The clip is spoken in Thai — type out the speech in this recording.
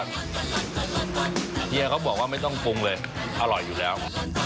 เฮียเขาบอกว่าไม่ต้องปรุงเลยอร่อยอยู่แล้ว